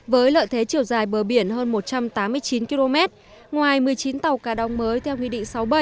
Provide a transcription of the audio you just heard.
với lợi thế chiều dài bờ biển hơn một trăm tám mươi chín km ngoài một mươi chín tàu cá đóng mới theo nghị định sáu bảy